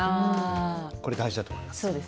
これ、大事だと思います。